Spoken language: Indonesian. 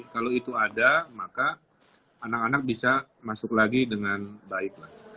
kalau itu ada maka anak anak bisa masuk lagi dengan baik